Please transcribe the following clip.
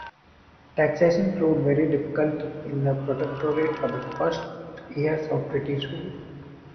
Taxation proved very difficult in the protectorate for the first years of British rule.